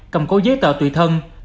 cầm cố giấy tờ tùy thân